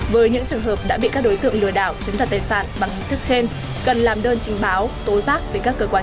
với những trường hợp đã bị các đối tượng lừa đảo chứng thật tài sản bằng hình thức trên cần làm đơn trình báo tố giác tới các cơ quan